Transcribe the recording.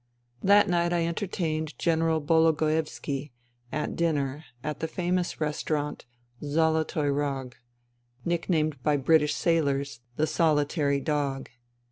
That night I entertained General Bologoevski at dinner at the famous restaurant ' Zolotoy Rog '— nicknamed by British sailors the 'Solitary Dog.'